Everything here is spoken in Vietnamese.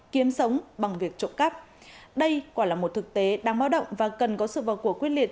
kiếm sống bằng việc trộm cắp đây quả là một thực tế đang báo động và cần có sự vào cuộc quyết liệt